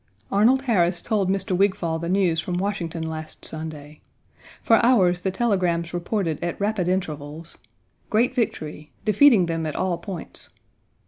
Arnold Harris told Mr. Wigfall the news from Washington last Sunday. For hours the telegrams reported at rapid intervals, "Great victory," "Defeating them at all points."